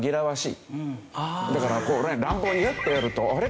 だからこう乱暴にフッとやるとあれ？